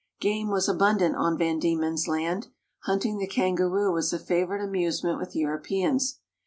Game was abundant on Van Diemen's Land. Hunting the kangaroo was a favor ite amusement with Europeans.